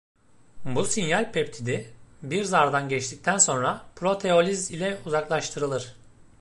Bu sinyal peptidi, bir zardan geçtikten sonra proteoliz ile uzaklaştırılır.